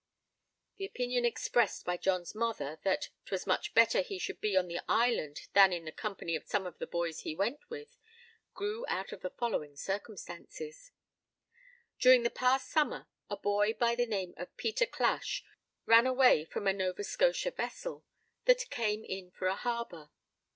The opinion expressed by John's mother, that 'twas much better he should be on the island than in the company of some of the boys he went with, grew out of the following circumstances: During the past summer, a boy by the name of Peter Clash ran away from a Nova Scotia vessel, that came in for a harbor.